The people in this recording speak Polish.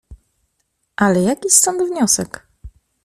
"Ale jaki stąd wniosek?"